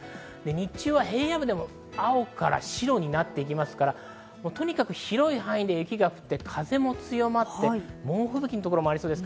日中は平野部でも青から白になっていきますから、とにかく広い範囲で雪が降って、風も強まって、猛吹雪のところもありそうです。